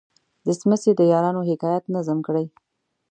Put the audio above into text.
د څمڅې د یارانو حکایت نظم کړی.